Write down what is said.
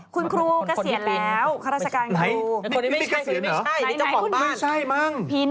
คุณครูก็เสียแล้วข้าราชการครูนี่ไม่ใช่นี่เจ้าของบ้านพี่นุมหมายถึงเจ้าของบ้านจริงจริง